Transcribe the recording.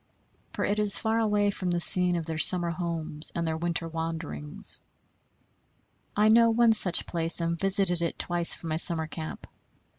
For it is far away from the scene of their summer homes and their winter wanderings. I know one such place, and visited it twice from my summer camp.